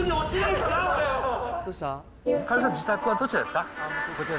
かおりさんの自宅はどちらですか？